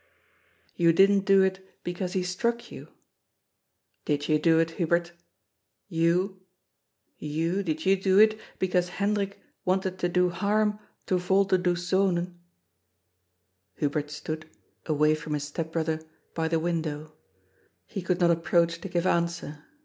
You didn't do it, because he struck you ? Did you do it, Hubert, you — ^you, did you do it, because Hendrik wanted to do harm to Volderdoes Zonen?" Hubert stood — away from his step brother — by the win dow. He could not approach to give answer.